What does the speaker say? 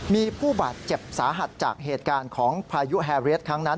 มีผู้บาดเจ็บสาหัสจากเหตุการณ์ของพายุแฮเรียสครั้งนั้น